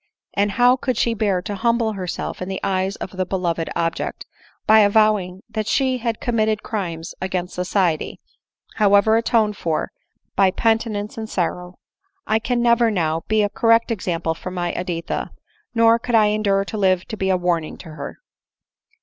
and how could she bear to humble herself in the eyes of the beloved object, by avowing that she had com mitted crimes against society, however atoned for by •*.«•« ADELINE MOWBRAY. 285 penitence and sorrow ! I can never, now, be a correct example for my Editha, nor could I endure to live to be a warning to her.